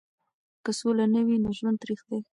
که سوله نه وي نو ژوند تریخ دی.